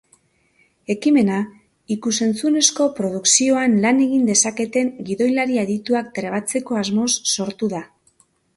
Ekimena ikus-entzunezko produkzioan lan egin dezaketen gidoilari adituak trebatzeko asmoz sortu da.